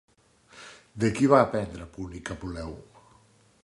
De qui va aprendre púnic Apuleu?